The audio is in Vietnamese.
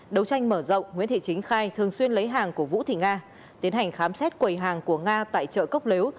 đấu tranh mở rộng nguyễn thị chính khai thường xuyên lấy hàng của vũ thị nga tiến hành khám xét quầy hàng của nga tại chợ cốc lếu